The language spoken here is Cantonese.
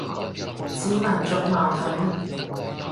似民族矛盾